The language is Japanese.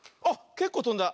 けっこうとんだ。